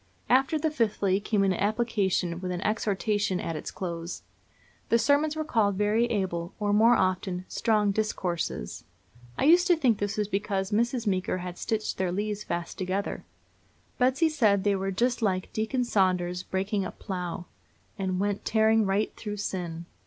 After the fifthly came an application, with an exhortation at its close. The sermons were called very able, or, more often, "strong discourses." I used to think this was because Mrs. Meeker had stitched their leaves fast together. Betsy said they were just like Deacon Saunders's breaking up plough, "and went tearing right through sin."